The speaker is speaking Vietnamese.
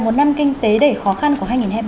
một năm kinh tế đầy khó khăn của hai nghìn hai mươi ba